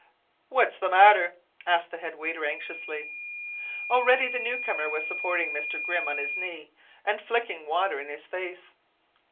"What's the matter?" asked the head waiter anxiously. Already the new comer was supporting Mr. Grimm on his knee, and flicking water in his face.